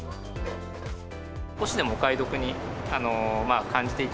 少しでもお買い得に感じてい